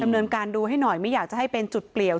เนินการดูให้หน่อยไม่อยากจะให้เป็นจุดเปลี่ยว